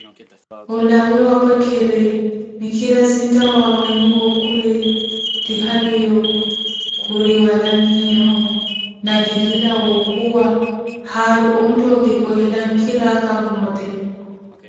Olawe wapokhere mikhira zintta waawanyiwa okhule ti halwiyo, Khuri: Wala, miiyo nakihiiwo okhuwa, haalu ontta okipwehela nkhira aka mmote.